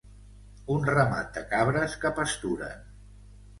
Un ramat de cabres que pasturen